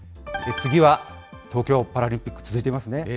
次は、東京パラリンピック、続いてますね。